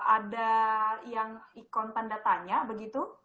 ada yang ikon tanda tanya begitu